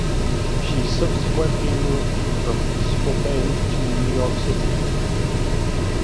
She subsequently moved from Spokane to New York City.